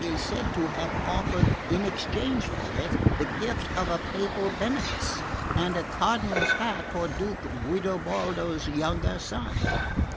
is said to have offered in exchange for it the gift of a papal benefice, and a Cardinal's hat for Duke Guidobaldo's younger son.